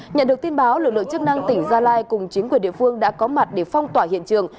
nhận được tin báo lực lượng chức năng tỉnh gia lai cùng chính quyền địa phương đã có mặt để phong tỏa hiện trường